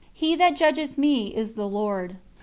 He that judgeth me is the Lord."